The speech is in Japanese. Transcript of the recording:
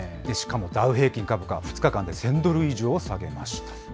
しかもダウ平均株価、２日間で１０００ドル以上下げました。